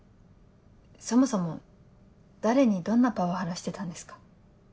そもそも誰にどんなパワハラしてたんですか？